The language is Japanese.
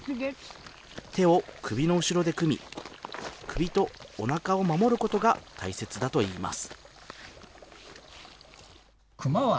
手を首の後ろで組み、首とおなかを守ることが大切だといいます。